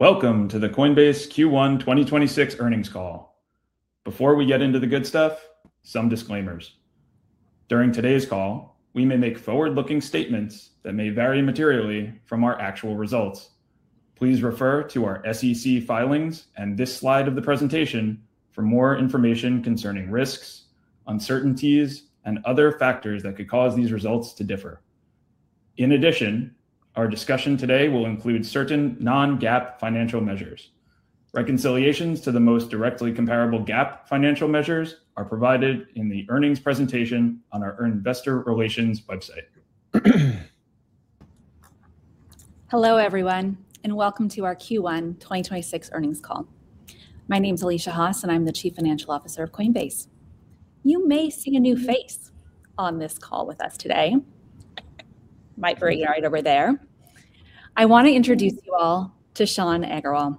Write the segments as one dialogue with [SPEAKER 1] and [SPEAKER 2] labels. [SPEAKER 1] Welcome to the Coinbase Q1 2026 earnings call. Before we get into the good stuff, some disclaimers. During today's call, we may make forward-looking statements that may vary materially from our actual results. Please refer to our SEC filings and this slide of the presentation for more information concerning risks, uncertainties and other factors that could cause these results to differ. In addition, our discussion today will include certain non-GAAP financial measures. Reconciliations to the most directly comparable GAAP financial measures are provided in the earnings presentation on our investor relations website.
[SPEAKER 2] Hello everyone, and welcome to our Q1 2026 earnings call. My name's Alesia Haas, and I'm the Chief Financial Officer of Coinbase. You may see a new face on this call with us today, might be right over there. I want to introduce you all to Shan Aggarwal.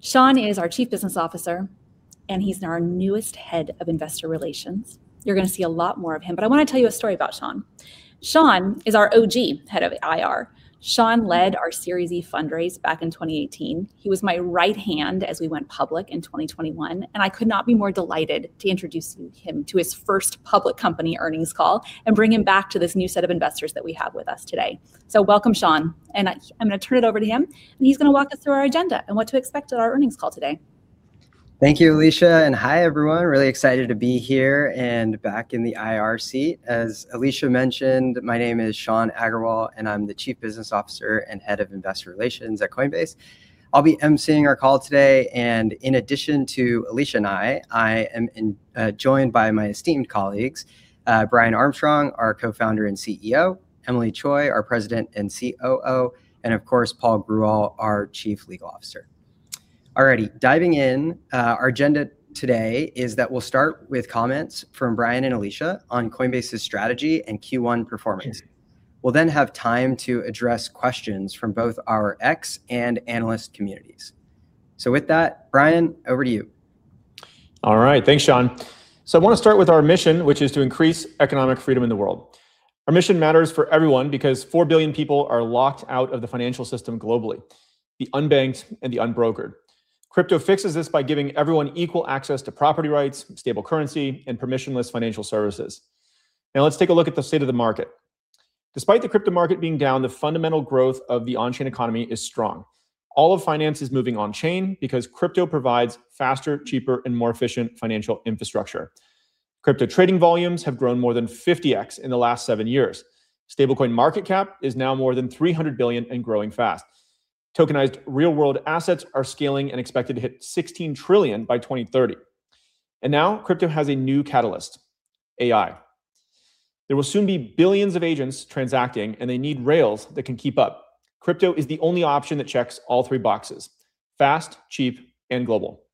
[SPEAKER 2] Shan is our Chief Business Officer, and he's our newest Head of Investor Relations. You're going to see a lot more of him, but I want to tell you a story about Shan. Shan is our OG Head of IR. Shan led our Series E fundraise back in 2018. He was my right hand as we went public in 2021, and I could not be more delighted to introduce him to his first public company earnings call, and bring him back to this new set of investors that we have with us today. Welcome, Shan, and I'm gonna turn it over to him, and he's gonna walk us through our agenda and what to expect at our earnings call today.
[SPEAKER 3] Thank you, Alesia, and hi everyone. Really excited to be here and back in the IR seat. As Alesia mentioned, my name is Shan Aggarwal, and I'm the Chief Business Officer and Head of Investor Relations at Coinbase. I'll be MC-ing our call today, and in addition to Alesia and I am joined by my esteemed colleagues, Brian Armstrong, our Co-founder and CEO, Emilie Choi, our President and COO, and of course, Paul Grewal, our Chief Legal Officer. All righty, diving in. Our agenda today is that we'll start with comments from Brian and Alesia on Coinbase's strategy and Q1 performance. We'll then have time to address questions from both our ex and analyst communities. With that, Brian, over to you.
[SPEAKER 4] All right. Thanks, Shan. I want to start with our mission, which is to increase economic freedom in the world. Our mission matters for everyone because 4 billion people are locked out of the financial system globally, the unbanked and the unbrokered. Crypto fixes this by giving everyone equal access to property rights, stable currency and permissionless financial services. Let's take a look at the state of the market. Despite the crypto market being down, the fundamental growth of the on-chain economy is strong. All of finance is moving on-chain because crypto provides faster, cheaper and more efficient financial infrastructure. Crypto trading volumes have grown more than 50x in the last seven years. Stablecoin market cap is now more than $300 billion and growing fast. Tokenized real world assets are scaling and expected to hit $16 trillion by 2030, and now crypto has a new catalyst, AI. There will soon be billions of agents transacting, and they need rails that can keep up. Crypto is the only option that checks all three boxes, fast, cheap and global.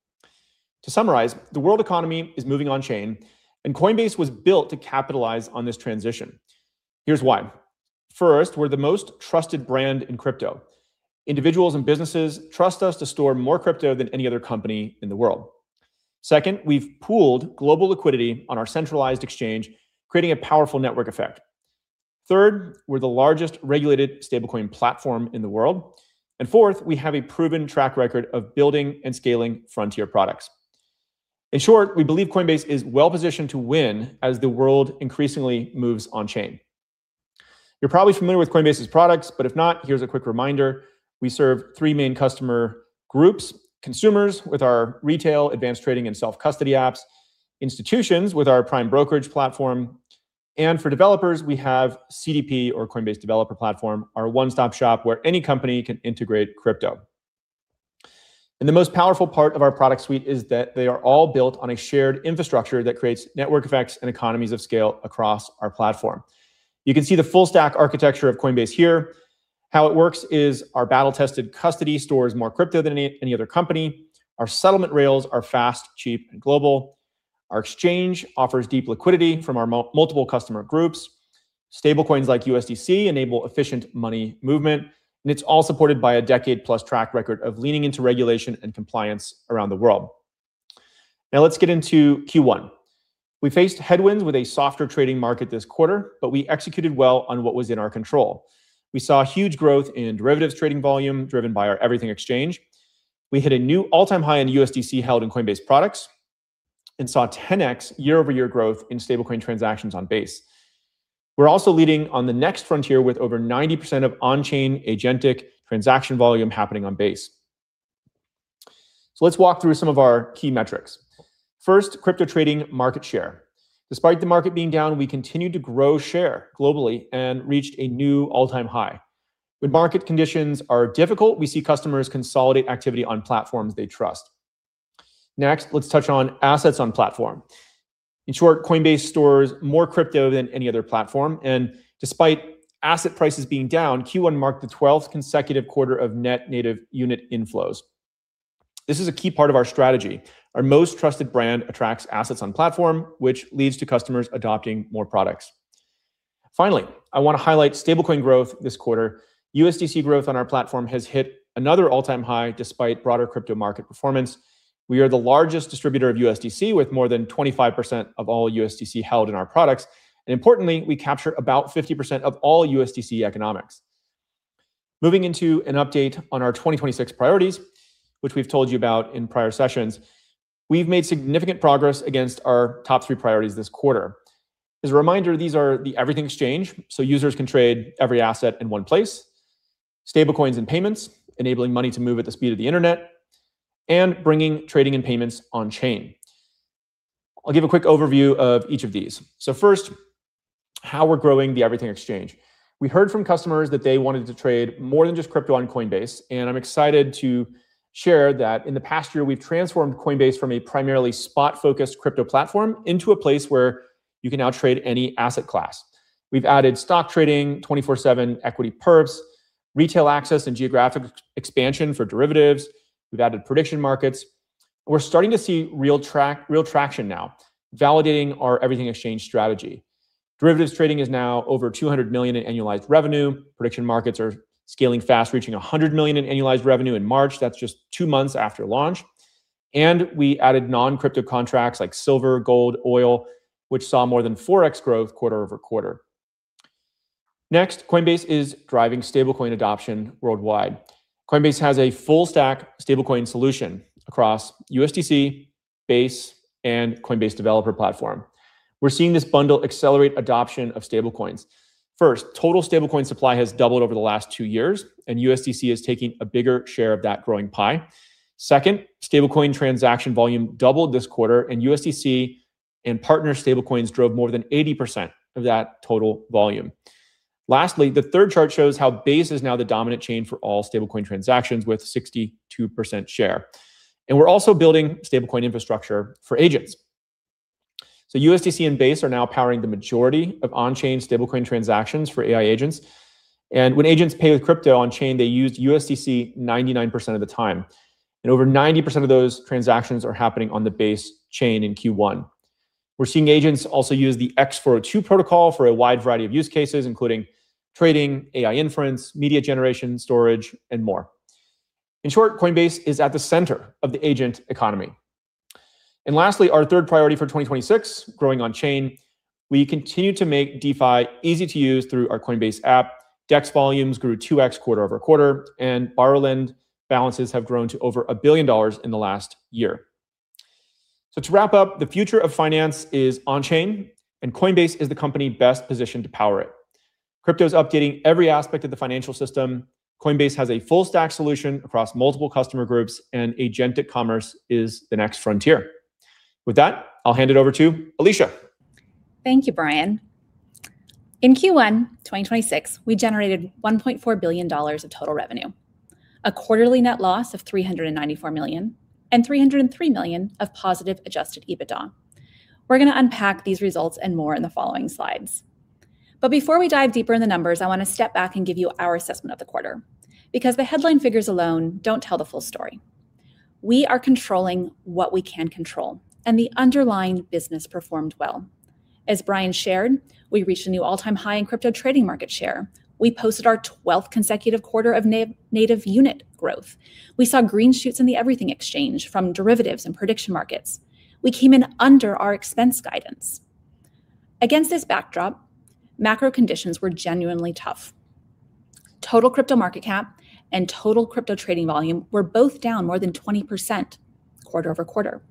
[SPEAKER 4] To summarize, the world economy is moving on-chain, and Coinbase was built to capitalize on this transition. Here's why. First, we're the most trusted brand in crypto. Individuals and businesses trust us to store more crypto than any other company in the world. Second, we've pooled global liquidity on our centralized exchange, creating a powerful network effect. Third, we're the largest regulated stablecoin platform in the world. Fourth, we have a proven track record of building and scaling frontier products. In short, we believe Coinbase is well-positioned to win as the world increasingly moves on-chain. You're probably familiar with Coinbase's products, but if not, here's a quick reminder. We serve three main customer groups, consumers, with our retail, advanced trading and self-custody apps, institutions, with our Coinbase Prime brokerage platform, and for developers, we have CDP or Coinbase Developer Platform, our one-stop shop where any company can integrate crypto. The most powerful part of our product suite is that they are all built on a shared infrastructure that creates network effects and economies of scale across our platform. You can see the full stack architecture of Coinbase here. How it works is our battle-tested custody stores more crypto than any other company. Our settlement rails are fast, cheap and global. Our exchange offers deep liquidity from our multiple customer groups. Stablecoins like USDC enable efficient money movement, and it's all supported by a decade-plus track record of leaning into regulation and compliance around the world. Now, let's get into Q1. We faced headwinds with a softer trading market this quarter. We executed well on what was in our control. We saw huge growth in derivatives trading volume driven by our Everything Exchange. We hit a new all-time high in USDC held in Coinbase products and saw 10x year-over-year growth in stablecoin transactions on Base. We're also leading on the next frontier with over 90% of on-chain agentic transaction volume happening on Base. Let's walk through some of our key metrics. First, crypto trading market share. Despite the market being down, we continued to grow share globally and reached a new all-time high. When market conditions are difficult, we see customers consolidate activity on platforms they trust. Next, let's touch on assets on platform. In short, Coinbase stores more crypto than any other platform, and despite asset prices being down, Q1 marked the 12th consecutive quarter of net native unit inflows. This is a key part of our strategy. Our most trusted brand attracts assets on platform, which leads to customers adopting more products. Finally, I wanna highlight stablecoin growth this quarter. USDC growth on our platform has hit another all-time high despite broader crypto market performance. We are the largest distributor of USDC with more than 25% of all USDC held in our products, and importantly, we capture about 50% of all USDC economics. Moving into an update on our 2026 priorities, which we've told you about in prior sessions, we've made significant progress against our top three priorities this quarter. As a reminder, these are the Everything Exchange, so users can trade every asset in one place, stablecoins and payments, enabling money to move at the speed of the internet, and bringing trading and payments onchain. I'll give a quick overview of each of these. First, how we're growing the Everything Exchange. We heard from customers that they wanted to trade more than just crypto on Coinbase, and I'm excited to share that in the past year, we've transformed Coinbase from a primarily spot-focused crypto platform into a place where you can now trade any asset class. We've added stock trading, 24/7 equity derivatives, retail access and geographic expansion for derivatives. We've added prediction markets. We're starting to see real traction now, validating our Everything Exchange strategy. Derivatives trading is now over $200 million in annualized revenue. Prediction markets are scaling fast, reaching $100 million in annualized revenue in March. That's just two months after launch. We added non-crypto contracts like silver, gold, oil, which saw more than 4x growth quarter-over-quarter. Next, Coinbase is driving stablecoin adoption worldwide. Coinbase has a full stack stablecoin solution across USDC, Base, and Coinbase Developer Platform. We're seeing this bundle accelerate adoption of stablecoins. First, total stablecoin supply has doubled over the last two years, and USDC is taking a bigger share of that growing pie. Second, stablecoin transaction volume doubled this quarter, and USDC and partner stablecoins drove more than 80% of that total volume. Lastly, the third chart shows how Base is now the dominant chain for all stablecoin transactions with 62% share. We're also building stablecoin infrastructure for agents. USDC and Base are now powering the majority of on-chain stablecoin transactions for AI agents. When agents pay with crypto on-chain, they use USDC 99% of the time, and over 90% of those transactions are happening on the Base chain in Q1. We're seeing agents also use the x402 protocol for a wide variety of use cases, including trading, AI inference, media generation, storage, and more. In short, Coinbase is at the center of the agent economy. Lastly, our third priority for 2026, growing on-chain. We continue to make DeFi easy to use through our Coinbase app. DEX volumes grew 2x quarter-over-quarter, and Borrow lend balances have grown to over $1 billion in the last year. To wrap up, the future of finance is onchain, and Coinbase is the company best positioned to power it. Crypto's updating every aspect of the financial system. Coinbase has a full stack solution across multiple customer groups, and agentic commerce is the next frontier. With that, I'll hand it over to Alesia Haas.
[SPEAKER 2] Thank you, Brian. In Q1 2026, we generated $1.4 billion of total revenue, a quarterly net loss of $394 million, and $303 million of positive adjusted EBITDA. We're gonna unpack these results and more in the following slides. Before we dive deeper in the numbers, I wanna step back and give you our assessment of the quarter because the headline figures alone don't tell the full story. We are controlling what we can control, and the underlying business performed well. As Brian shared, we reached a new all-time high in crypto trading market share. We posted our 12th consecutive quarter of native unit growth. We saw green shoots in the Everything Exchange from derivatives and prediction markets. We came in under our expense guidance. Against this backdrop, macro conditions were genuinely tough. Total crypto market cap and total crypto trading volume were both down more than 20% quarter-over-quarter.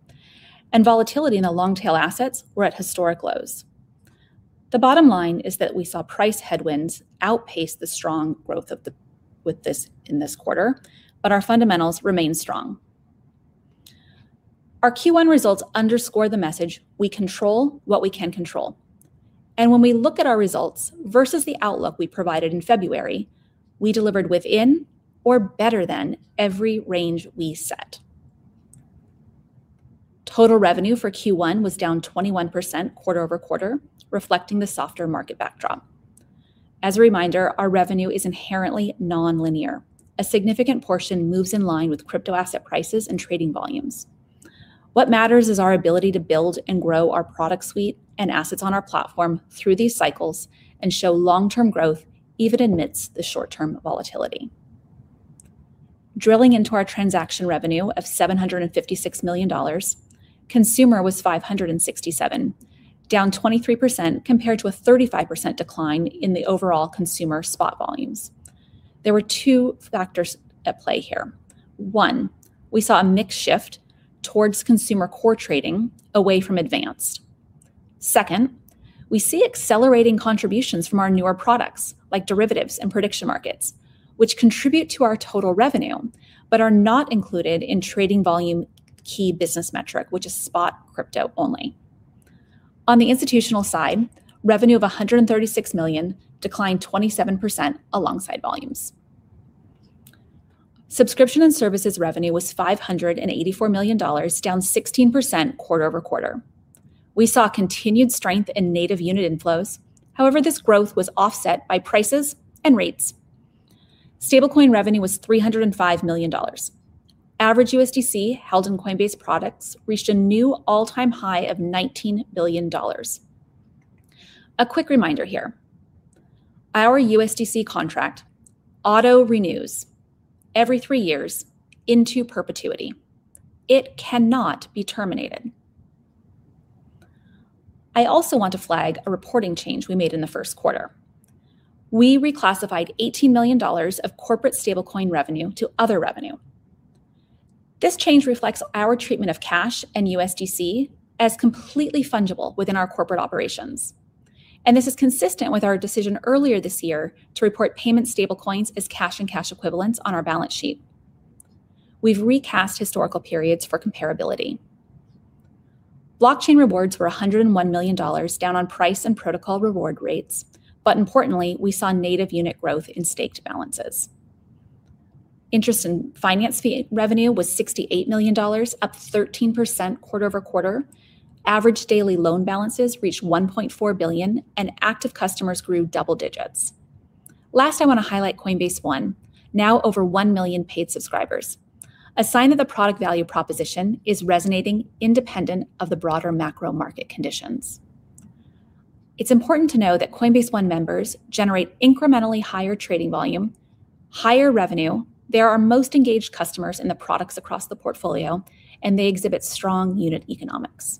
[SPEAKER 2] Volatility in the long tail assets were at historic lows. The bottom line is that we saw price headwinds outpace the strong growth in this quarter, but our fundamentals remain strong. Our Q1 results underscore the message, we control what we can control. When we look at our results versus the outlook we provided in February, we delivered within or better than every range we set. Total revenue for Q1 was down 21% quarter-over-quarter, reflecting the softer market backdrop. As a reminder, our revenue is inherently nonlinear. A significant portion moves in line with crypto asset prices and trading volumes. What matters is our ability to build and grow our product suite and assets on our platform through these cycles and show long-term growth even amidst the short-term volatility. Drilling into our transaction revenue of $756 million, consumer was $567 million, down 23% compared to a 35% decline in the overall consumer spot volumes. There were two factors at play here. One, we saw a mix shift towards consumer core trading away from Advanced. Second, we see accelerating contributions from our newer products, like derivatives and prediction markets, which contribute to our total revenue but are not included in trading volume key business metric, which is spot crypto only. On the institutional side, revenue of $136 million declined 27% alongside volumes. Subscription and services revenue was $584 million, down 16% quarter-over-quarter. We saw continued strength in native unit inflows. This growth was offset by prices and rates. Stablecoin revenue was $305 million. Average USDC held in Coinbase products reached a new all-time high of $19 billion. A quick reminder here. Our USDC contract auto-renews every three years into perpetuity. It cannot be terminated. I also want to flag a reporting change we made in the first quarter. We reclassified $18 million of corporate stablecoin revenue to other revenue. This change reflects our treatment of cash and USDC as completely fungible within our corporate operations, and this is consistent with our decision earlier this year to report payment stablecoins as cash and cash equivalents on our balance sheet. We've recast historical periods for comparability. Blockchain rewards were $101 million, down on price and protocol reward rates. Importantly, we saw native unit growth in staked balances. Interest and finance fee revenue was $68 million, up 13% quarter-over-quarter. Average daily loan balances reached $1.4 billion, and active customers grew double digits. Last, I wanna highlight Coinbase One, now over 1 million paid subscribers, a sign that the product value proposition is resonating independent of the broader macro market conditions. It's important to know that Coinbase One members generate incrementally higher trading volume, higher revenue. They're our most engaged customers in the products across the portfolio, and they exhibit strong unit economics.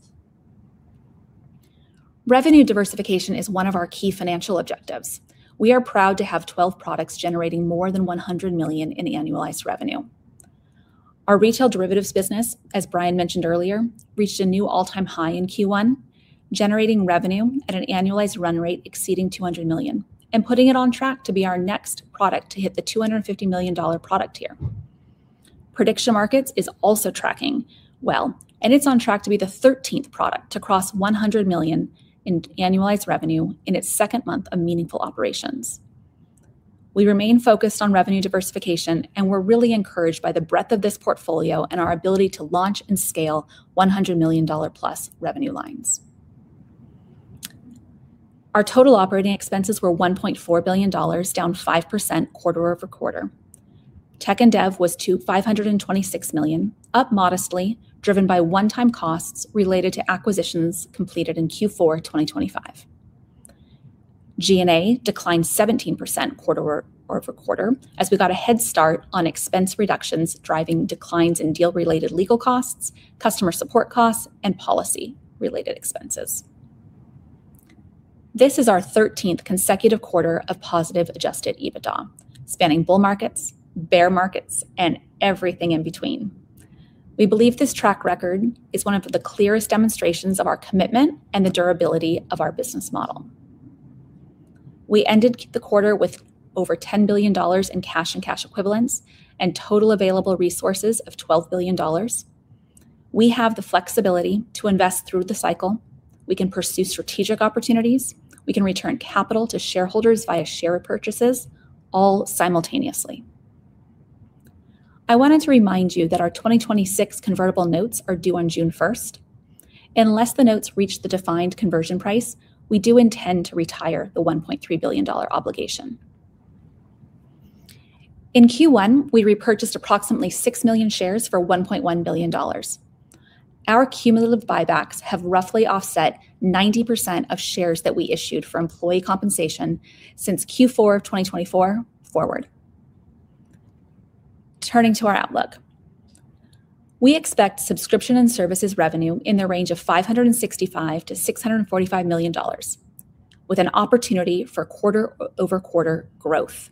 [SPEAKER 2] Revenue diversification is one of our key financial objectives. We are proud to have 12 products generating more than $100 million in annualized revenue. Our retail derivatives business, as Brian mentioned earlier, reached a new all-time high in Q1, generating revenue at an annualized run rate exceeding $200 million and putting it on track to be our next product to hit the $250 million product tier. Prediction markets is also tracking well, and it's on track to be the 13th product to cross $100 million in annualized revenue in its second month of meaningful operations. We remain focused on revenue diversification, and we're really encouraged by the breadth of this portfolio and our ability to launch and scale $100 million-plus revenue lines. Our total operating expenses were $1.4 billion, down 5% quarter-over-quarter. Tech and dev was to $526 million, up modestly, driven by one-time costs related to acquisitions completed in Q4 2025. G&A declined 17% quarter-over-quarter as we got a head start on expense reductions, driving declines in deal-related legal costs, customer support costs, and policy-related expenses. This is our thirteenth consecutive quarter of positive adjusted EBITDA, spanning bull markets, bear markets, and everything in between. We believe this track record is one of the clearest demonstrations of our commitment and the durability of our business model. We ended the quarter with over $10 billion in cash and cash equivalents and total available resources of $12 billion. We have the flexibility to invest through the cycle. We can pursue strategic opportunities. We can return capital to shareholders via share purchases all simultaneously. I wanted to remind you that our 2026 convertible notes are due on June first. Unless the notes reach the defined conversion price, we do intend to retire the $1.3 billion obligation. In Q1, we repurchased approximately 6 million shares for $1.1 billion. Our cumulative buybacks have roughly offset 90% of shares that we issued for employee compensation since Q4 of 2024 forward. Turning to our outlook, we expect subscription and services revenue in the range of $565 million-$645 million with an opportunity for quarter-over-quarter growth.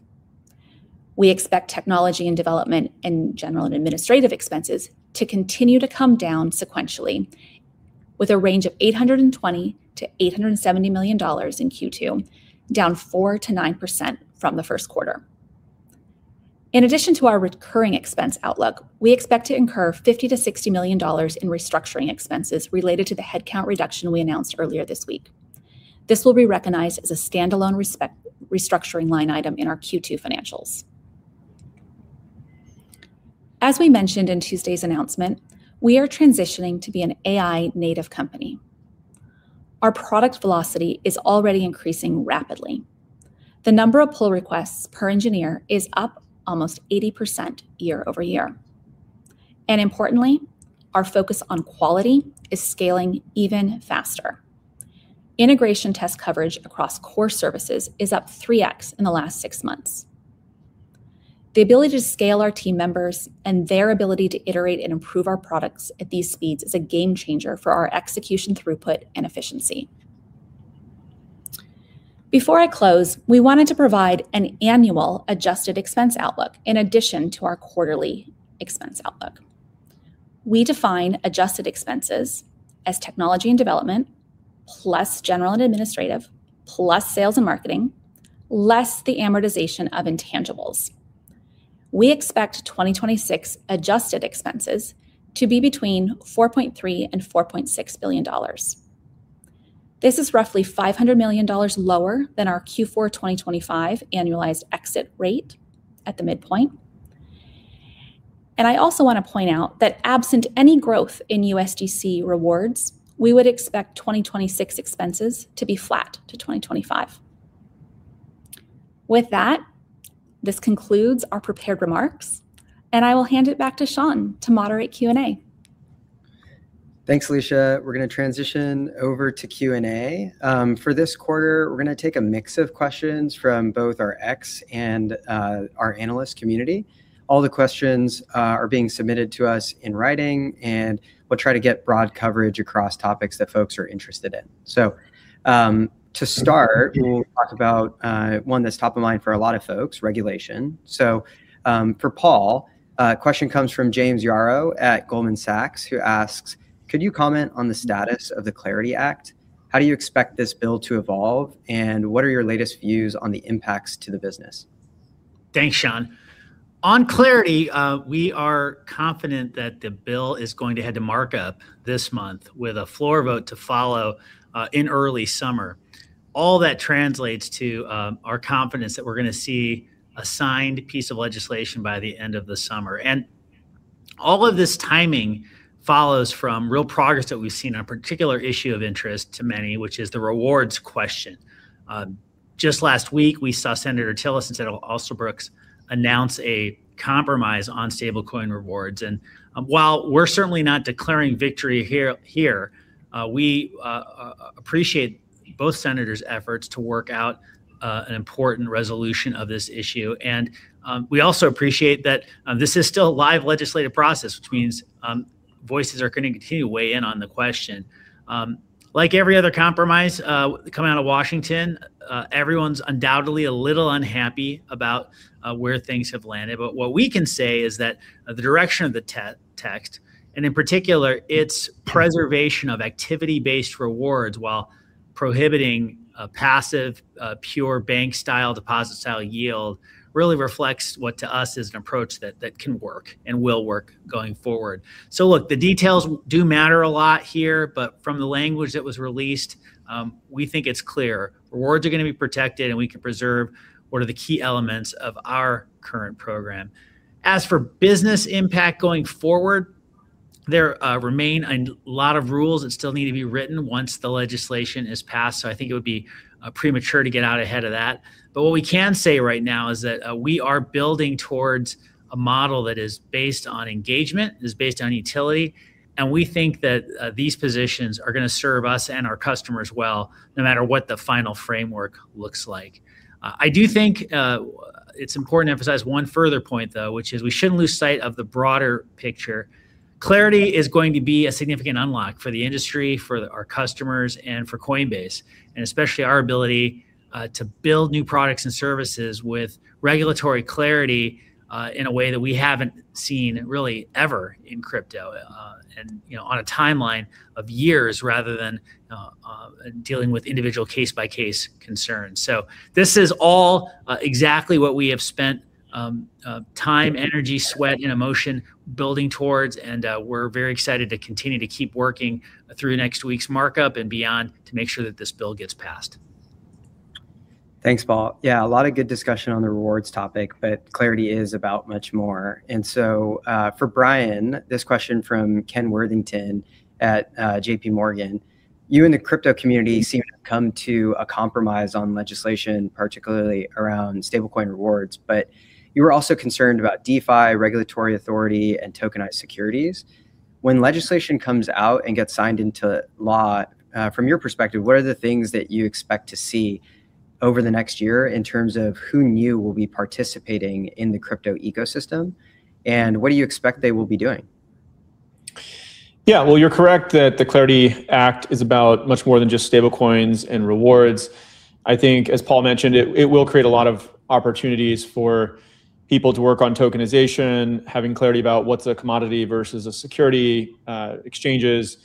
[SPEAKER 2] We expect technology and development and general and administrative expenses to continue to come down sequentially with a range of $820 million-$870 million in Q2, down 4%-9% from the first quarter. In addition to our recurring expense outlook, we expect to incur $50 million-$60 million in restructuring expenses related to the headcount reduction we announced earlier this week. This will be recognized as a standalone restructuring line item in our Q2 financials. As we mentioned in Tuesday's announcement, we are transitioning to be an AI-native company. Our product velocity is already increasing rapidly. The number of pull requests per engineer is up almost 80% year-over-year. Importantly, our focus on quality is scaling even faster. Integration test coverage across core services is up 3x in the last six months. The ability to scale our team members and their ability to iterate and improve our products at these speeds is a game-changer for our execution throughput and efficiency. Before I close, we wanted to provide an annual adjusted expense outlook in addition to our quarterly expense outlook. We define adjusted expenses as technology and development, plus general and administrative, plus sales and marketing, less the amortization of intangibles. We expect 2026 adjusted expenses to be between $4.3 billion and $4.6 billion. This is roughly $500 million lower than our Q4 2025 annualized exit rate at the midpoint. I also wanna point out that absent any growth in USDC rewards, we would expect 2026 expenses to be flat to 2025. With that, this concludes our prepared remarks, and I will hand it back to Shan to moderate Q&A.
[SPEAKER 3] Thanks, Alesia. We're gonna transition over to Q&A. For this quarter, we're gonna take a mix of questions from both our X and our analyst community. All the questions are being submitted to us in writing, and we'll try to get broad coverage across topics that folks are interested in. To start, we'll talk about one that's top of mind for a lot of folks, regulation. For Paul, a question comes from James Yaro at Goldman Sachs, who asks, "Could you comment on the status of the CLARITY Act? How do you expect this bill to evolve, and what are your latest views on the impacts to the business?
[SPEAKER 5] Thanks, Shan. On CLARITY, we are confident that the bill is going to head to markup this month with a floor vote to follow in early summer. All that translates to our confidence that we're going to see a signed piece of legislation by the end of the summer. All of this timing follows from real progress that we've seen on a particular issue of interest to many, which is the rewards question. Just last week, we saw Senator Tillis and Senator Angela Alsobrooks announce a compromise on stablecoin rewards. While we're certainly not declaring victory here, we appreciate both senators' efforts to work out an important resolution of this issue. We also appreciate that this is still a live legislative process, which means voices are going to continue to weigh in on the question. Like every other compromise, coming out of Washington, everyone's undoubtedly a little unhappy about where things have landed. What we can say is that the direction of the text, and in particular, its preservation of activity-based rewards while prohibiting a passive, pure bank-style, deposit-style yield, really reflects what, to us, is an approach that can work and will work going forward. Look, the details do matter a lot here, but from the language that was released, we think it's clear. Rewards are gonna be protected, and we can preserve what are the key elements of our current program. As for business impact going forward, there remain a lot of rules that still need to be written once the legislation is passed. I think it would be premature to get out ahead of that. What we can say right now is that, we are building towards a model that is based on engagement, is based on utility, and we think that, these positions are gonna serve us and our customers well, no matter what the final framework looks like. I do think, it's important to emphasize one further point, though, which is we shouldn't lose sight of the broader picture. CLARITY is going to be a significant unlock for the industry, for our customers, and for Coinbase, and especially our ability, to build new products and services with regulatory clarity, in a way that we haven't seen really ever in crypto, and, you know, on a timeline of years rather than, dealing with individual case-by-case concerns. This is all exactly what we have spent time, energy, sweat, and emotion building towards, and we're very excited to continue to keep working through next week's markup and beyond to make sure that this bill gets passed.
[SPEAKER 3] Thanks, Paul. A lot of good discussion on the rewards topic, CLARITY is about much more. For Brian, this question from Ken Worthington at J.P. Morgan. You and the crypto community seem to have come to a compromise on legislation, particularly around stablecoin rewards, you were also concerned about DeFi regulatory authority and tokenized securities. When legislation comes out and gets signed into law, from your perspective, what are the things that you expect to see over the next year in terms of who knew will be participating in the crypto ecosystem, and what do you expect they will be doing?
[SPEAKER 4] Yeah. Well, you're correct that the CLARITY Act is about much more than just stablecoins and rewards. I think, as Paul mentioned, it will create a lot of opportunities for people to work on tokenization, having clarity about what's a commodity versus a security, exchanges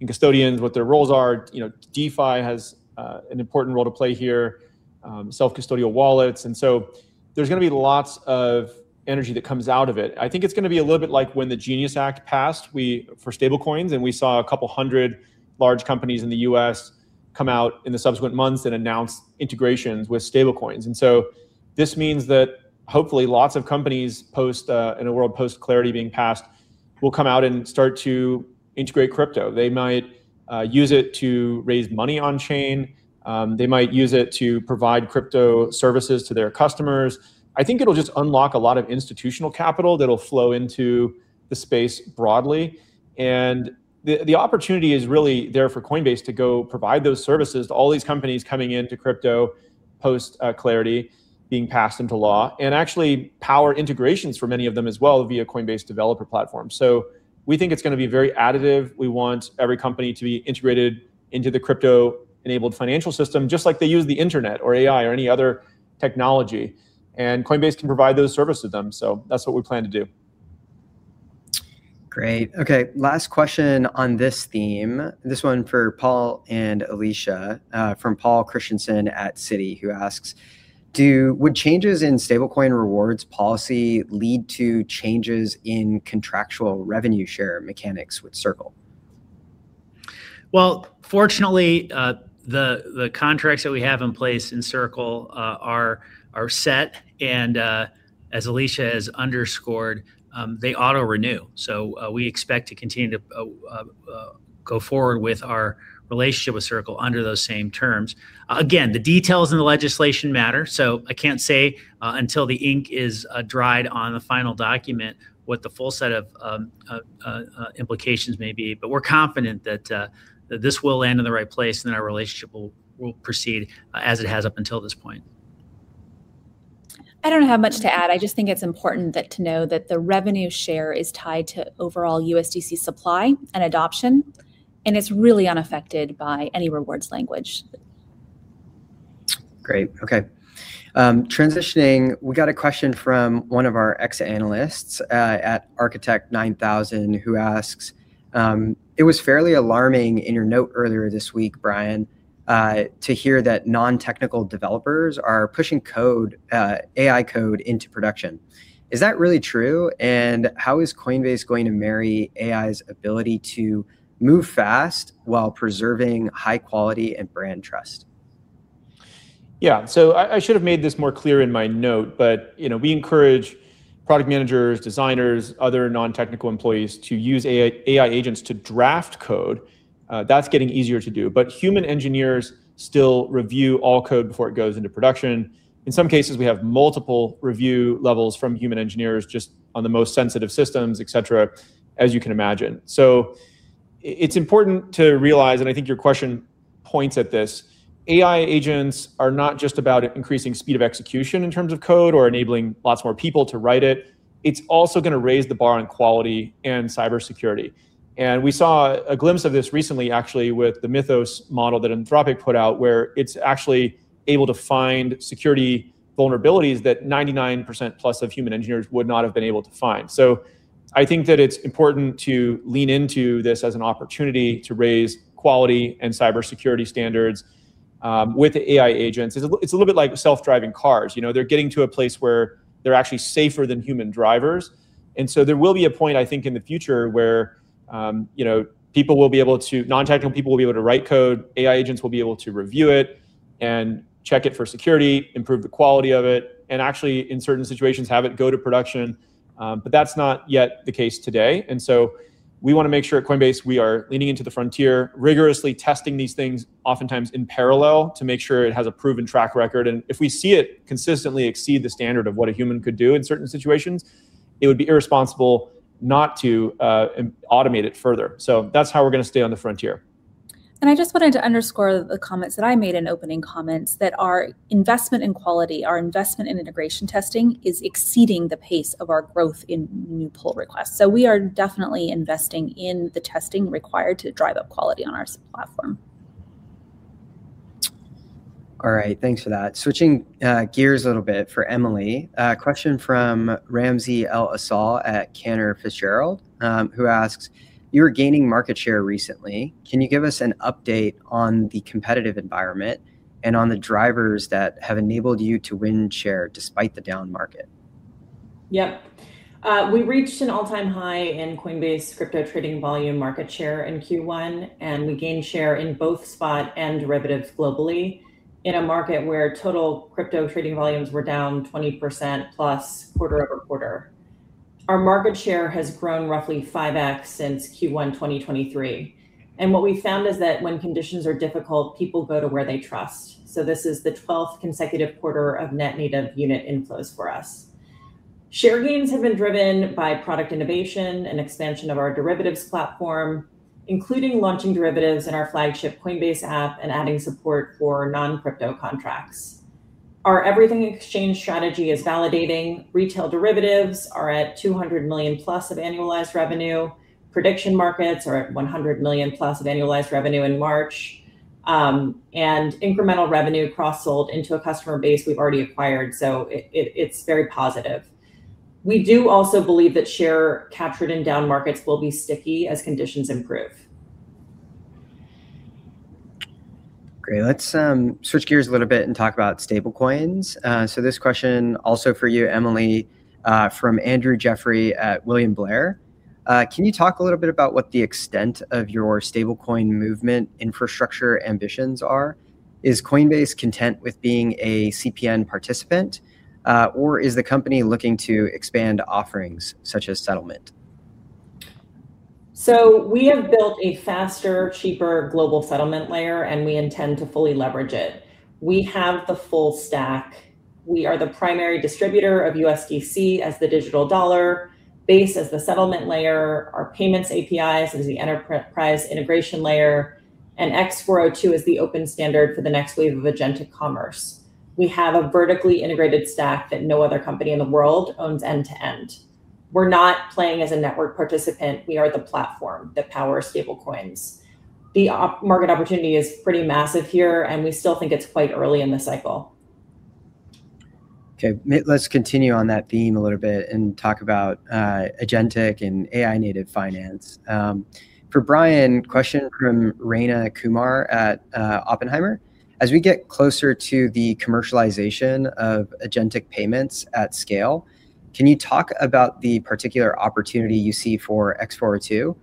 [SPEAKER 4] and custodians, what their roles are. You know, DeFi has an important role to play here, self-custodial wallets. There's gonna be lots of energy that comes out of it. I think it's gonna be a little bit like when the GENIUS Act passed for stablecoins, we saw 200 large companies in the U.S. come out in the subsequent months and announce integrations with stablecoins. This means that hopefully lots of companies post in a world post-CLARITY being passed, will come out and start to integrate crypto. They might use it to raise money on-chain. They might use it to provide crypto services to their customers. I think it'll just unlock a lot of institutional capital that'll flow into the space broadly. The opportunity is really there for Coinbase to go provide those services to all these companies coming into crypto post CLARITY being passed into law, and actually power integrations for many of them as well via Coinbase Developer Platform. We think it's gonna be very additive. We want every company to be integrated into the crypto-enabled financial system, just like they use the internet or AI or any other technology. Coinbase can provide those services to them, so that's what we plan to do.
[SPEAKER 3] Great. Okay, last question on this theme, this one for Paul and Alesia, from Peter Christiansen at Citi, who asks, "Would changes in stablecoin rewards policy lead to changes in contractual revenue share mechanics with Circle?
[SPEAKER 5] Well, fortunately, the contracts that we have in place in Circle are set, and as Alesia has underscored, they auto-renew. We expect to continue to go forward with our relationship with Circle under those same terms. Again, the details in the legislation matter, so I can't say until the ink is dried on the final document what the full set of implications may be. We're confident that this will land in the right place and that our relationship will proceed as it has up until this point.
[SPEAKER 2] I don't have much to add. I just think it's important that to know that the revenue share is tied to overall USDC supply and adoption, and it's really unaffected by any rewards language.
[SPEAKER 3] Great. Okay. Transitioning, we got a question from one of our ex-analysts at Architect 9000 who asks: It was fairly alarming in your note earlier this week, Brian, to hear that non-technical developers are pushing code, AI code into production. Is that really true, and how is Coinbase going to marry AI's ability to move fast while preserving high quality and brand trust?
[SPEAKER 4] Yeah. I should have made this more clear in my note, but, you know, we encourage product managers, designers, other non-technical employees to use AI agents to draft code. That's getting easier to do. Human engineers still review all code before it goes into production. In some cases, we have multiple review levels from human engineers just on the most sensitive systems, et cetera, as you can imagine. It's important to realize, and I think your question points at this, AI agents are not just about increasing speed of execution in terms of code or enabling lots more people to write it's also gonna raise the bar on quality and cybersecurity. We saw a glimpse of this recently actually with the Mythos model that Anthropic put out, where it's actually able to find security vulnerabilities that 99%-plus of human engineers would not have been able to find. I think that it's important to lean into this as an opportunity to raise quality and cybersecurity standards with AI agents. It's a little bit like self-driving cars, you know? They're getting to a place where they're actually safer than human drivers. There will be a point, I think, in the future where, you know, non-technical people will be able to write code, AI agents will be able to review it and check it for security, improve the quality of it, and actually in certain situations have it go to production. That's not yet the case today, we wanna make sure at Coinbase we are leaning into the frontier, rigorously testing these things, oftentimes in parallel, to make sure it has a proven track record. If we see it consistently exceed the standard of what a human could do in certain situations, it would be irresponsible not to automate it further. That's how we're gonna stay on the frontier.
[SPEAKER 2] I just wanted to underscore the comments that I made in opening comments, that our investment in quality, our investment in integration testing is exceeding the pace of our growth in new pull requests. We are definitely investing in the testing required to drive up quality on our subplatform.
[SPEAKER 3] All right. Thanks for that. Switching gears a little bit for Emilie, a question from Ramsey El-Assal at Cantor Fitzgerald, who asks: You're gaining market share recently. Can you give us an update on the competitive environment and on the drivers that have enabled you to win share despite the down market?
[SPEAKER 6] We reached an all-time high in Coinbase crypto trading volume market share in Q1, and we gained share in both spot and derivatives globally in a market where total crypto trading volumes were down 20%-plus quarter-over-quarter. Our market share has grown roughly 5x since Q1 2023, and what we found is that when conditions are difficult, people go to where they trust. This is the 12th consecutive quarter of net native unit inflows for us. Share gains have been driven by product innovation and expansion of our derivatives platform, including launching derivatives in our flagship Coinbase app and adding support for non-crypto contracts. Our Everything Exchange strategy is validating. Retail derivatives are at $200 million-plus of annualized revenue. Prediction markets are at $100 million-plus of annualized revenue in March. Incremental revenue cross-sold into a customer base we've already acquired, so it's very positive. We do also believe that share captured in down markets will be sticky as conditions improve.
[SPEAKER 3] Great. Let's switch gears a little bit and talk about stablecoins. This question also for you, Emilie Choi, from Andrew Jeffrey at William Blair. Can you talk a little bit about what the extent of your stablecoin movement infrastructure ambitions are? Is Coinbase content with being a CPN participant, or is the company looking to expand offerings such as Settlement?
[SPEAKER 6] We have built a faster, cheaper global settlement layer, and we intend to fully leverage it. We have the full stack. We are the primary distributor of USDC as the digital dollar, Base as the settlement layer, our payments APIs as the enterprise integration layer, and x402 as the open standard for the next wave of agentic commerce. We have a vertically integrated stack that no other company in the world owns end to end. We're not playing as a network participant. We are the platform that powers stablecoins. The market opportunity is pretty massive here, and we still think it's quite early in the cycle.
[SPEAKER 3] Okay. Let's continue on that theme a little bit and talk about agentic and AI native finance. For Brian, question from Rayna Kumar at Oppenheimer. As we get closer to the commercialization of agentic payments at scale, can you talk about the particular opportunity you see for x402?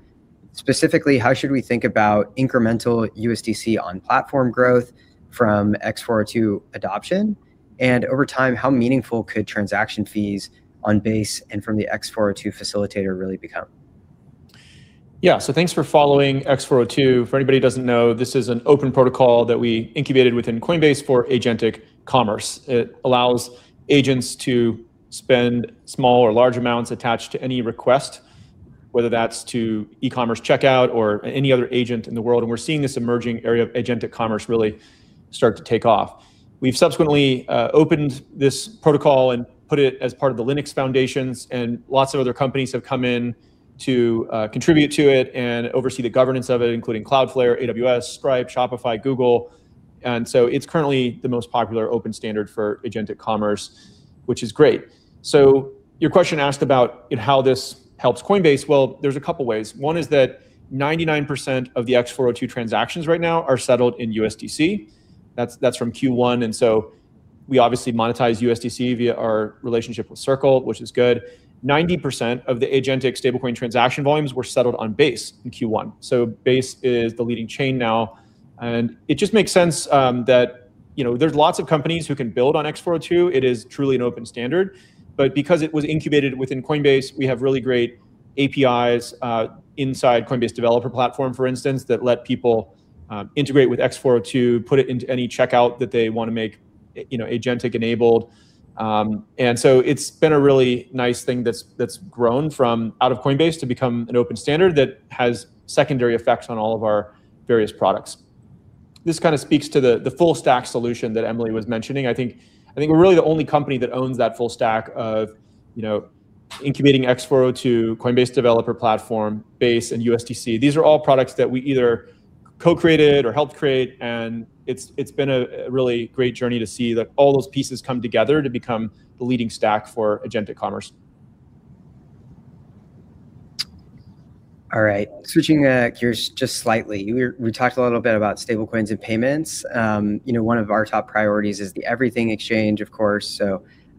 [SPEAKER 3] Specifically, how should we think about incremental USDC on platform growth from x402 adoption? And over time, how meaningful could transaction fees on Base and from the x402 facilitator really become?
[SPEAKER 4] Yeah. Thanks for following x402. For anybody who doesn't know, this is an open protocol that we incubated within Coinbase for agentic commerce. It allows agents to spend small or large amounts attached to any request, whether that's to e-commerce checkout or any other agent in the world, and we're seeing this emerging area of agentic commerce really start to take off. We've subsequently opened this protocol and put it as part of the Linux Foundation, and lots of other companies have come in to contribute to it and oversee the governance of it, including Cloudflare, AWS, Stripe, Shopify, Google. It's currently the most popular open standard for agentic commerce, which is great. Your question asked about how this helps Coinbase. Well, there's two ways. One is that 99% of the x402 transactions right now are settled in USDC. That's from Q1, and so we obviously monetize USDC via our relationship with Circle, which is good. 90% of the agentic stable coin transaction volumes were settled on Base in Q1, so Base is the leading chain now. It just makes sense, that, you know, there's lots of companies who can build on x402. It is truly an open standard. Because it was incubated within Coinbase, we have really great APIs, inside Coinbase Developer Platform, for instance, that let people integrate with x402, put it into any checkout that they wanna make, you know, agentic enabled. It's been a really nice thing that's grown from out of Coinbase to become an open standard that has secondary effects on all of our various products. This kind of speaks to the full stack solution that Emilie was mentioning. I think we're really the only company that owns that full stack of, you know, incubating x402, Coinbase Developer Platform, Base, and USDC. These are all products that we either co-created or helped create, it's been a really great journey to see all those pieces come together to become the leading stack for agentic commerce.
[SPEAKER 3] Switching gears just slightly. We talked a little bit about stable coins and payments. You know, one of our top priorities is the Everything Exchange, of course.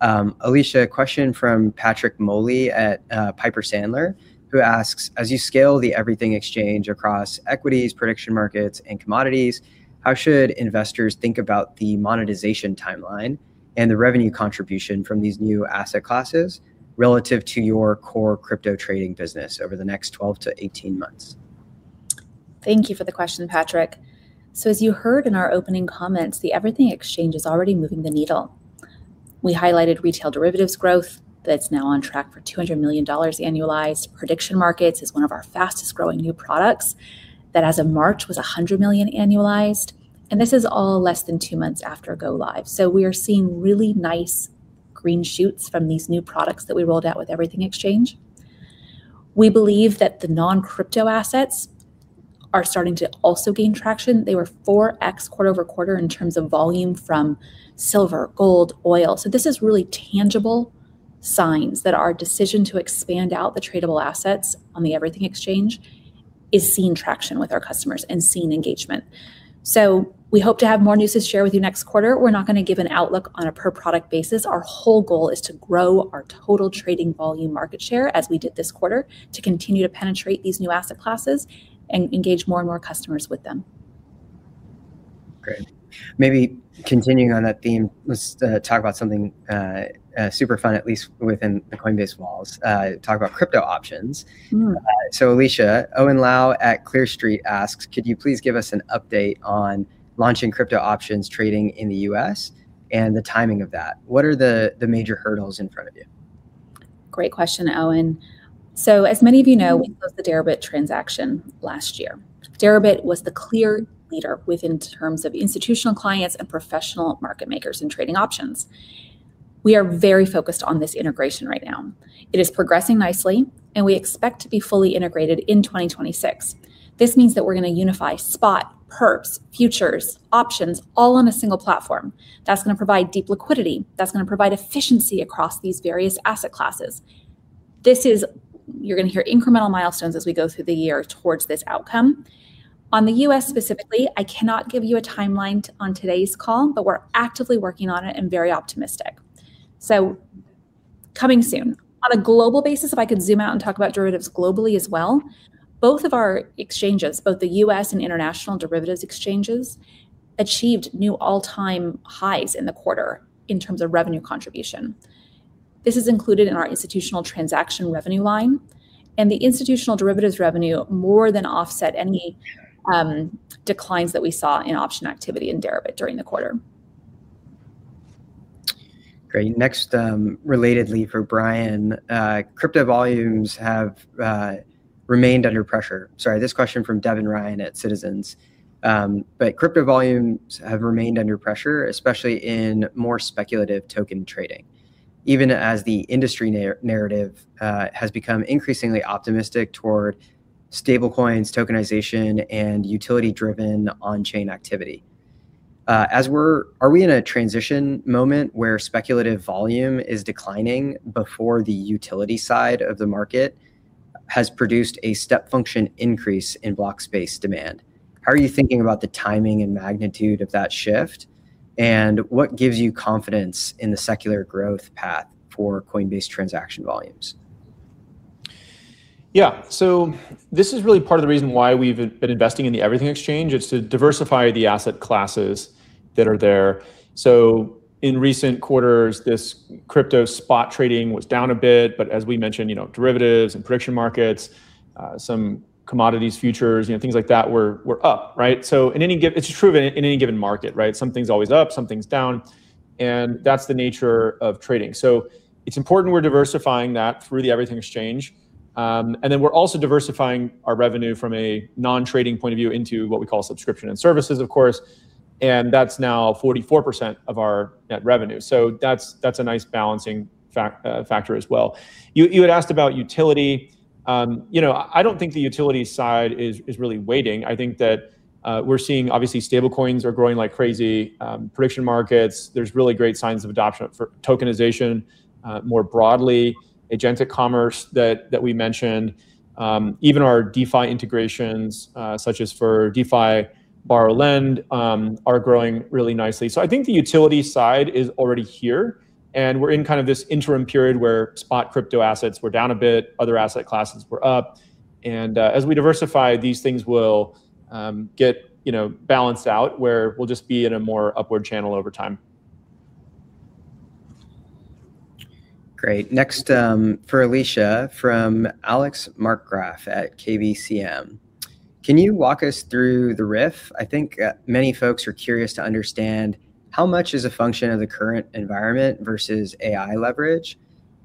[SPEAKER 3] Alesia, question from Patrick Moley at Piper Sandler, who asks, "As you scale the Everything Exchange across equities, prediction markets, and commodities, how should investors think about the monetization timeline and the revenue contribution from these new asset classes relative to your core crypto trading business over the next 12 to 18 months?
[SPEAKER 2] Thank you for the question, Patrick. As you heard in our opening comments, the Everything Exchange is already moving the needle. We highlighted retail derivatives growth that is now on track for $200 million annualized. Prediction markets is one of our fastest growing new products that, as of March, was $100 million annualized. This is all less than two months after go live. We are seeing really nice green shoots from these new products that we rolled out with Everything Exchange. We believe that the non-crypto assets are starting to also gain traction. They were 4x quarter-over-quarter in terms of volume from silver, gold, oil. This is really tangible signs that our decision to expand out the tradable assets on the Everything Exchange is seeing traction with our customers and seeing engagement. We hope to have more news to share with you next quarter. We're not gonna give an outlook on a per product basis. Our whole goal is to grow our total trading volume market share as we did this quarter, to continue to penetrate these new asset classes and engage more and more customers with them.
[SPEAKER 3] Great. Maybe continuing on that theme, let's talk about something super fun, at least within the Coinbase walls. Talk about crypto options. Alesia Haas, Owen Lau at Clear Street asks, "Could you please give us an update on launching crypto options trading in the U.S. and the timing of that? What are the major hurdles in front of you?
[SPEAKER 2] Great question, Owen. As many of you know, we closed the Deribit transaction last year. Deribit was the clear leader within terms of institutional clients and professional market makers in trading options. We are very focused on this integration right now. It is progressing nicely, and we expect to be fully integrated in 2026. This means that we're gonna unify spot, perps, futures, options, all on a single platform. That's gonna provide deep liquidity. That's gonna provide efficiency across these various asset classes. You're gonna hear incremental milestones as we go through the year towards this outcome. On the U.S. specifically, I cannot give you a timeline on today's call, but we're actively working on it and very optimistic. Coming soon. On a global basis, if I could zoom out and talk about derivatives globally as well, both of our exchanges, both the US and international derivatives exchanges, achieved new all-time highs in the quarter in terms of revenue contribution. This is included in our institutional transaction revenue line, the institutional derivatives revenue more than offset any declines that we saw in option activity in Deribit during the quarter.
[SPEAKER 3] Great. Next, relatedly for Brian, crypto volumes have remained under pressure. Sorry, this question from Devin Ryan at Citizens. Crypto volumes have remained under pressure, especially in more speculative token trading, even as the industry narrative has become increasingly optimistic toward stablecoins, tokenization, and utility-driven onchain activity. Are we in a transition moment where speculative volume is declining before the utility side of the market has produced a step function increase in block space demand? How are you thinking about the timing and magnitude of that shift, and what gives you confidence in the secular growth path for Coinbase transaction volumes?
[SPEAKER 4] Yeah. This is really part of the reason why we've been investing in the Everything Exchange. It's to diversify the asset classes that are there. In recent quarters, this crypto spot trading was down a bit, but as we mentioned, you know, derivatives and prediction markets, some commodities futures, you know, things like that were up, right? In any given market, right? Something's always up, something's down, that's the nature of trading. It's important we're diversifying that through the Everything Exchange. We're also diversifying our revenue from a non-trading point of view into what we call subscription and services, of course, and that's now 44% of our net revenue. That's a nice balancing factor as well. You had asked about utility. You know, I don't think the utility side is really waiting. I think that we're seeing obviously stablecoins are growing like crazy, prediction markets. There's really great signs of adoption for tokenization, more broadly, agentic commerce that we mentioned. Even our DeFi integrations, such as for DeFi borrow lend, are growing really nicely. I think the utility side is already here, and we're in kind of this interim period where spot crypto assets were down a bit, other asset classes were up. As we diversify, these things will get, you know, balanced out, where we'll just be in a more upward channel over time.
[SPEAKER 3] Great. Next, for Alesia from Alex Markgraff at KBCM. Can you walk us through the RIF? I think many folks are curious to understand how much is a function of the current environment versus AI leverage,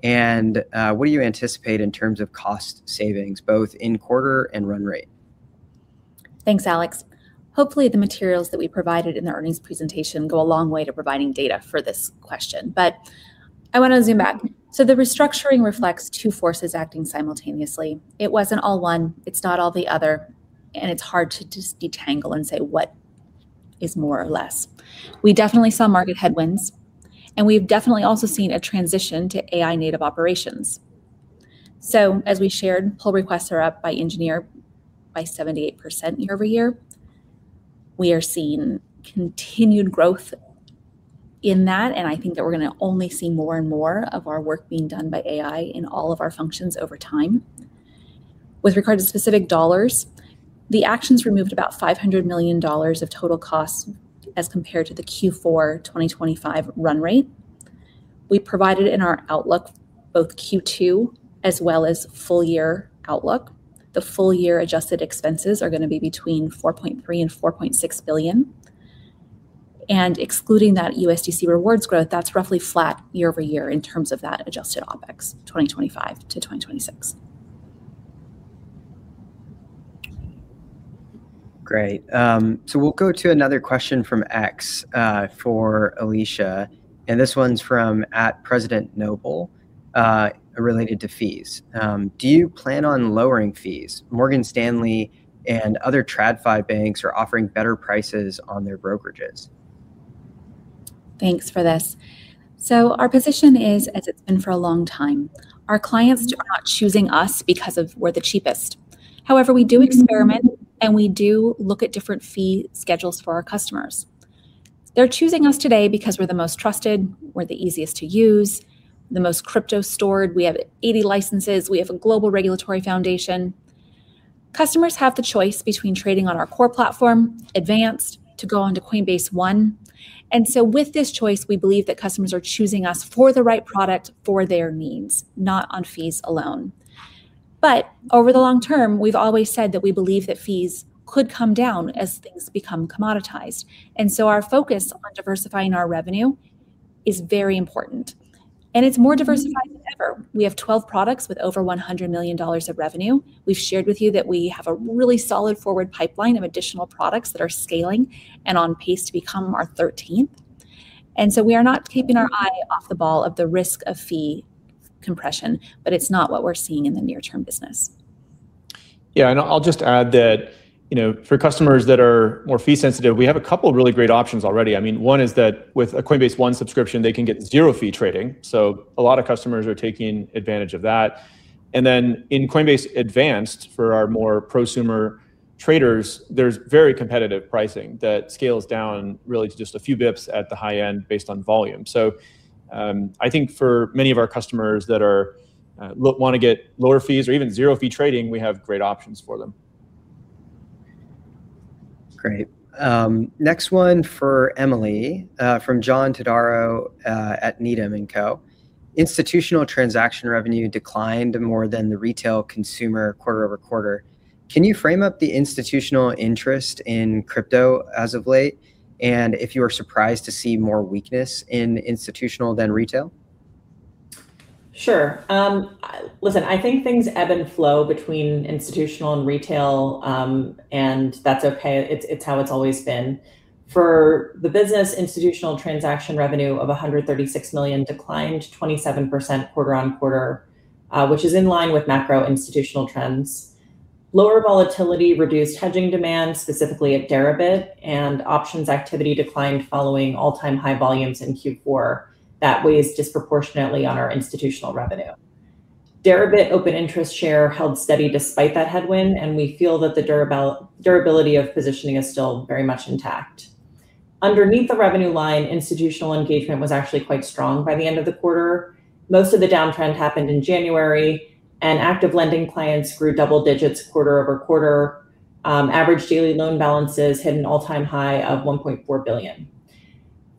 [SPEAKER 3] and what do you anticipate in terms of cost savings, both in quarter and run rate?
[SPEAKER 2] Thanks, Alex. Hopefully, the materials that we provided in the earnings presentation go a long way to providing data for this question, but I want to zoom back. The restructuring reflects two forces acting simultaneously. It wasn't all one, it's not all the other, and it's hard to just detangle and say what is more or less. We definitely saw market headwinds, and we've definitely also seen a transition to AI-native operations. As we shared, pull requests are up by engineer by 78% year-over-year. We are seeing continued growth in that, and I think that we're going to only see more and more of our work being done by AI in all of our functions over time. With regard to specific dollars, the actions removed about $500 million of total costs as compared to the Q4 2025 run rate. We provided in our outlook both Q2 as well as full year outlook. The full year adjusted expenses are gonna be between $4.3 billion and $4.6 billion. Excluding that USDC rewards growth, that's roughly flat year-over-year in terms of that adjusted OpEx, 2025-2026.
[SPEAKER 3] Great. We'll go to another question from X, for Alesia Haas, and this one's from @presidentnoble, related to fees. Do you plan on lowering fees? Morgan Stanley and other TradFi banks are offering better prices on their brokerages.
[SPEAKER 2] Thanks for this. Our position is, as it's been for a long time, our clients are not choosing us because of we're the cheapest. However, we do experiment, and we do look at different fee schedules for our customers. They're choosing us today because we're the most trusted, we're the easiest to use, the most crypto stored. We have 80 licenses. We have a global regulatory foundation. Customers have the choice between trading on our core platform, Coinbase Advanced to go onto Coinbase One. With this choice, we believe that customers are choosing us for the right product for their needs, not on fees alone. Over the long term, we've always said that we believe that fees could come down as things become commoditized. Our focus on diversifying our revenue is very important, and it's more diversified than ever. We have 12 products with over $100 million of revenue. We've shared with you that we have a really solid forward pipeline of additional products that are scaling and on pace to become our 13th. We are not keeping our eye off the ball of the risk of fee compression, but it's not what we're seeing in the near term business.
[SPEAKER 4] Yeah, I'll just add that, you know, for customers that are more fee sensitive, we have a couple of really great options already. I mean, one is that with a Coinbase One subscription, they can get zero fee trading, a lot of customers are taking advantage of that. In Coinbase Advanced, for our more prosumer traders, there's very competitive pricing that scales down really to just a few bips at the high end based on volume. I think for many of our customers that are wanna get lower fees or even zero fee trading, we have great options for them.
[SPEAKER 3] Great. Next one for Emilie Choi, from John Todaro, at Needham & Company. Institutional transaction revenue declined more than the retail consumer quarter-over-quarter. Can you frame up the institutional interest in crypto as of late, and if you are surprised to see more weakness in institutional than retail?
[SPEAKER 6] Sure. Listen, I think things ebb and flow between institutional and retail, and that's okay. It's how it's always been. For the business institutional transaction revenue of $136 million declined 27% quarter-over-quarter, which is in line with macro institutional trends. Lower volatility reduced hedging demand, specifically at Deribit, and options activity declined following all-time high volumes in Q4. That weighs disproportionately on our institutional revenue. Deribit open interest share held steady despite that headwind, and we feel that the durability of positioning is still very much intact. Underneath the revenue line, institutional engagement was actually quite strong by the end of the quarter. Most of the downtrend happened in January. Active lending clients grew double digits quarter-over-quarter. Average daily loan balances hit an all-time high of $1.4 billion.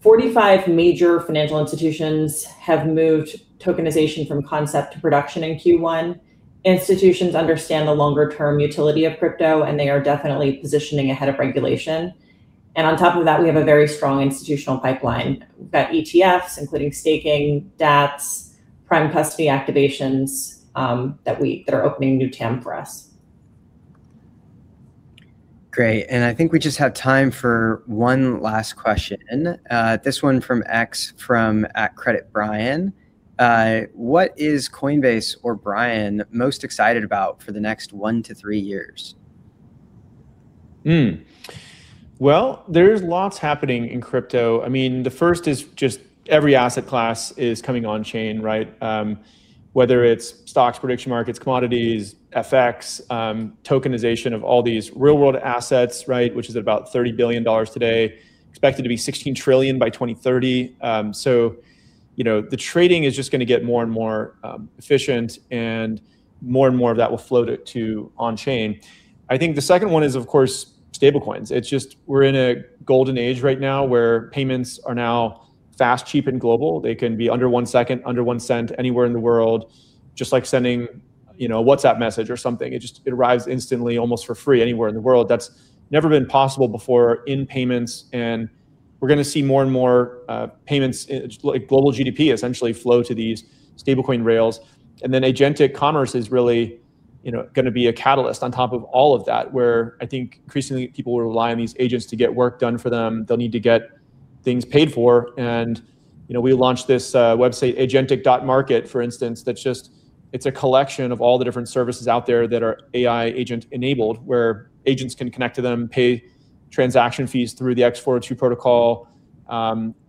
[SPEAKER 6] 45 major financial institutions have moved tokenization from concept to production in Q1. Institutions understand the longer-term utility of crypto. They are definitely positioning ahead of regulation. On top of that, we have a very strong institutional pipeline. We've got ETFs, including staking, DApps, prime custody activations, that they're opening new TAM for us.
[SPEAKER 3] Great. I think we just have time for one last question, this one from X from @creditbrian. What is Coinbase or Brian most excited about for the next one to three years?
[SPEAKER 4] Well, there's lots happening in crypto. I mean, the first is just every asset class is coming on-chain, right? Whether it's stocks, prediction markets, commodities, FX, tokenization of all these real-world assets, right? Which is about $30 billion today, expected to be $16 trillion by 2030. You know, the trading is just gonna get more and more efficient and more and more of that will float it to on-chain. I think the second one is, of course, stablecoins. It's just we're in a golden age right now where payments are now fast, cheap, and global. They can be under one second, under $0.01 anywhere in the world, just like sending, you know, a WhatsApp message or something. It arrives instantly, almost for free anywhere in the world. That's never been possible before in payments. We're gonna see more and more payments, like global GDP essentially flow to these stablecoin rails. Agentic commerce is really, you know, gonna be a catalyst on top of all of that, where I think increasingly people will rely on these agents to get work done for them. They'll need to get things paid for. You know, we launched this website, agentic.market, for instance, it's a collection of all the different services out there that are AI agent-enabled, where agents can connect to them, pay transaction fees through the x402 protocol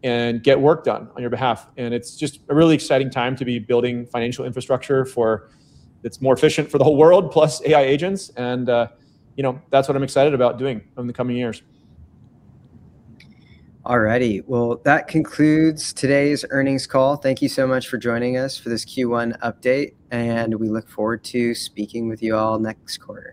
[SPEAKER 4] and get work done on your behalf. It's just a really exciting time to be building financial infrastructure that's more efficient for the whole world, plus AI agents. You know, that's what I'm excited about doing in the coming years.
[SPEAKER 3] All righty. Well, that concludes today's earnings call. Thank you so much for joining us for this Q1 update, and we look forward to speaking with you all next quarter.